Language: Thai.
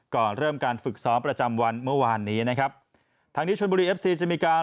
ก่อนเริ่มการฝึกซ้อมประจำวันเมื่อวานนี้นะครับทางนี้ชนบุรีเอฟซีจะมีการ